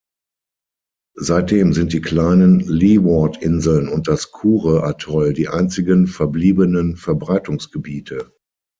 Seitdem sind die kleinen Leeward-Inseln und das Kure-Atoll die einzigen verbliebenen Verbreitungsgebiete.